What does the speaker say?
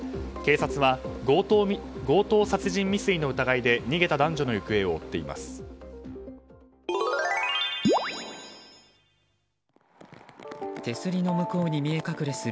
警察は強盗殺人未遂の疑いで逃げた男女の行方を追っています。